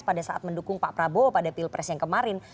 pada saat mendukung pak prabowo pada pilpres yang kemarin